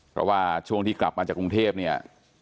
เพราะว่าช่วงที่กลับมาจากกรุงเทพเนี่ย